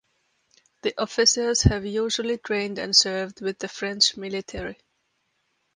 The officers have usually trained and served with the French military.